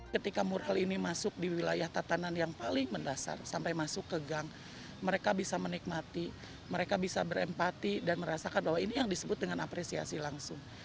ketika mural ini masuk di wilayah tatanan yang paling mendasar sampai masuk ke gang mereka bisa menikmati mereka bisa berempati dan merasakan bahwa ini yang disebut dengan apresiasi langsung